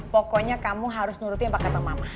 pokoknya kamu harus nurutin paketan mama